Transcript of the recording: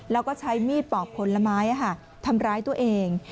แล้วก็ใช้มีดปอกผลไม้ทำร้ายตัวเอง